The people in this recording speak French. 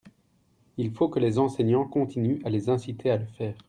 Il faut que les enseignants continuent à les inciter à le faire.